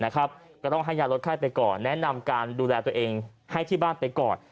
ก็ต้องให้ยาลดไข้ไปก่อนแนะนำการดูแลตัวเองให้ที่บ้านไปก่อน